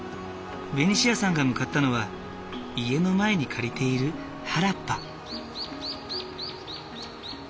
ベニシアさんが向かったのは家の前に借りている原っぱ。